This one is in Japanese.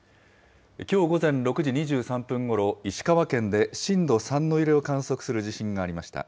きょう午前６時２３分ごろ、石川県で震度３の揺れを観測する地震がありました。